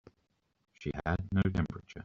She had no temperature.